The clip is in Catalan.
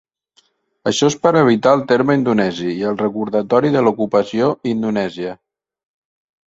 Això és per evitar el terme indonesi i el recordatori de l'ocupació indonèsia.